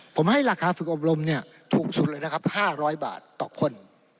ผมให้ราคาฝึกอบรมเนี่ยถูกสุดเลยนะครับ๕๐๐บาทต่อคน